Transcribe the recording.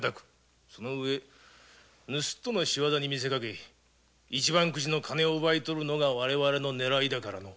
その上ぬすっとの仕業に見せかけ一番くじの金を奪い取るのが我々のねらいだからの。